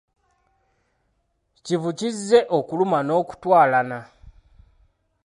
Kivu kizze okuluma n'okutwalana.